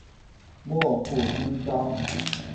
莫负今朝！